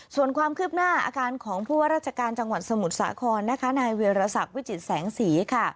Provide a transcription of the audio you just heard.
ส่วนความคืบหน้าอาการของผู้ว่าราชการจังหวัดสมุทรสาครนายเวรศัพท์วิจิตรแสงศรี